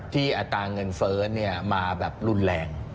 ที่อาตาร์เงินเฟ้อมาแบบรุนแรง